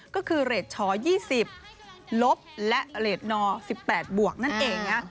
ก็คือเรทช๒๐ลบและเรทนอร์๑๘บวกนั่นเอง